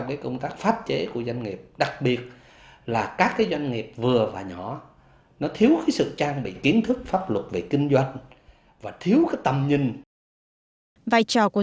vài trò của doanh nghiệp trong việc xây dựng tiêu chuẩn quy chuẩn kỹ thuật và thủ tục đánh giá sự phù hợp trong nước rất quan trọng